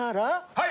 はい！